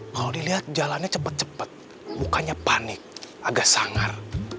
kalau dilihat jalannya cepet cepet mukanya panik agak sangar